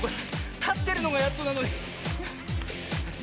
たってるのがやっとなのに。